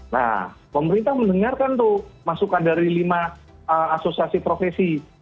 nah pemerintah mendengarkan tuh masukan dari lima asosiasi profesi